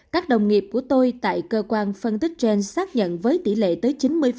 các đồng nghiệp của tôi tại cơ quan phân tích trên xác nhận với tỷ lệ tới chín mươi